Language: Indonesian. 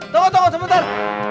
tunggu tunggu sebentar